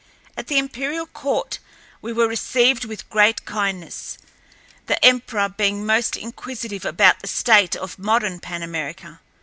At the imperial court we were received with great kindness, the emperor being most inquisitive about the state of modern Pan America.